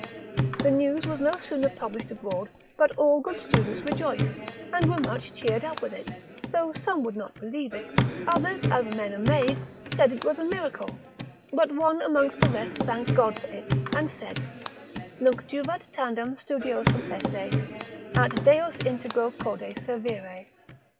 The news was no sooner published abroad, but all good students rejoiced, and were much cheered up with it, though some would not believe it; others, as men amazed, said it was a miracle; but one amongst the rest thanked God for it, and said, Nunc juvat tandem studiosum esse, et Deo integro corde servire.